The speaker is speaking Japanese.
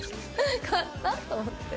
変わった？と思って。